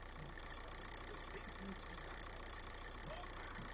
Studovala na Oxfordské univerzitě anglický jazyk a literaturu.